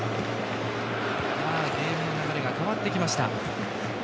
ゲームの流れが変わってきました。